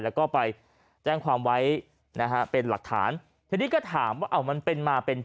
แล้วไปแจ้งความไว้เป็นหลักฐาน